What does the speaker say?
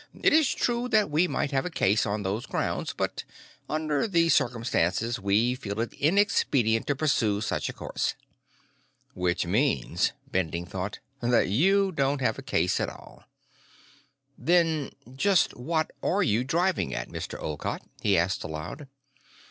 It is true that we might have a case on those grounds, but, under the circumstances, we feel it inexpedient to pursue such a course." Which means, Bending thought, that you don't have a case at all. "Then just what are you driving at, Mr. Olcott?" he asked aloud.